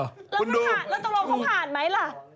แล้วตรงนั้นเขาผ่านไหมล่ะ